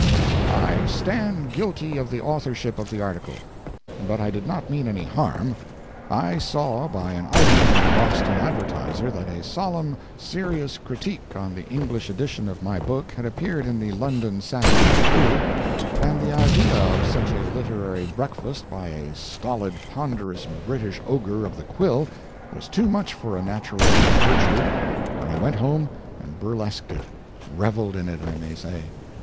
"] I stand guilty of the authorship of the article, but I did not mean any harm. I saw by an item in the Boston Advertiser that a solemn, serious critique on the English edition of my book had appeared in the London "Saturday Review," and the idea of such a literary breakfast by a stolid, ponderous British ogre of the quill was too much for a naturally weak virtue, and I went home and burlesqued it—revelled in it, I may say.